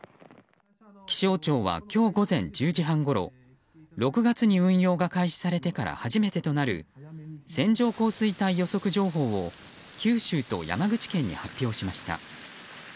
気象庁は今日午前１０時半ごろ６月に運用が開始されてから初めてとなる線状降水帯予測情報を九州と山口県に発表しました。